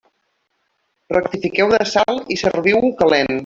Rectifiqueu de sal i serviu-ho calent.